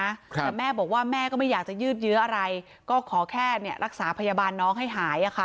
แต่แม่บอกว่าแม่ก็ไม่อยากจะยืดเยื้ออะไรก็ขอแค่เนี่ยรักษาพยาบาลน้องให้หายอ่ะค่ะ